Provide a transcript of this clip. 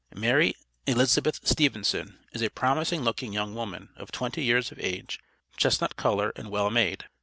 MARY ELIZABETH STEPHENSON is a promising looking young woman, of twenty years of age, chestnut color, and well made.